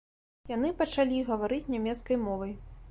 Яны пачалі гаварыць нямецкай мовай.